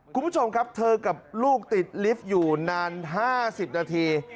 คุณผู้ชมครับเธอกับลูกติดลิฟต์อยู่นาน๕๐นาที